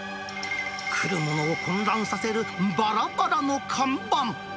来るものを混乱させる、ばらばらの看板。